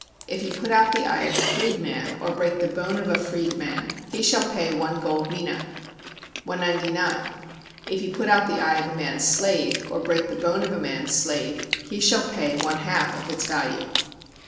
If he put out the eye of a freed man, or break the bone of a freed man, he shall pay one gold mina. 199. If he put out the eye of a man's slave, or break the bone of a man's slave, he shall pay one half of its value.